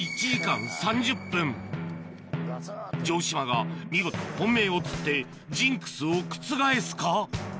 城島が見事本命を釣ってジンクスを覆すか？